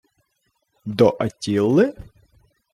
— До Аттіли?